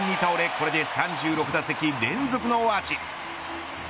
これで３６打席連続ノーアーチ。